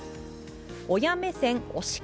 親目線推し活。